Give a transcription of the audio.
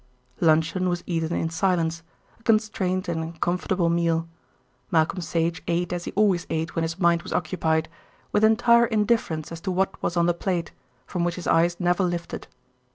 Luncheon was eaten in silence, a constrained and uncomfortable meal. Malcolm Sage ate as he always ate when his mind was occupied, with entire indifference as to what was on the plate, from which his eyes never lifted.